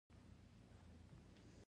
سړي کاسه تواب ته بېرته ورکړه.